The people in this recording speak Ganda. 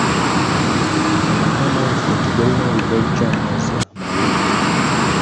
Amaka mangi kati galina we gaggya amazzi amayonjo.